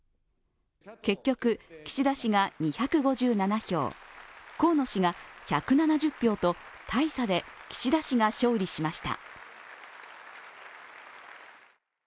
結局、岸田氏が２５７票、河野氏が１７０票と大差で岸田氏が勝利しました。